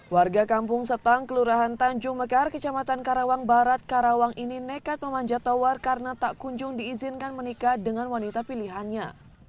warga kampung setang kelurahan tanjung mekar kecamatan karawang barat karawang ini nekat memanjat tower karena tak kunjung diizinkan menikah dengan wanita pilihannya